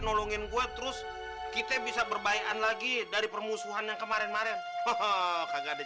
nolongin gua terus kita bisa berbaik lagi dari permusuhan yang kemarin marin hoho kagak ada